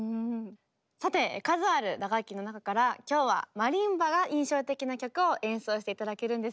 さて数ある打楽器の中から今日はマリンバが印象的な曲を演奏して頂けるんですよね。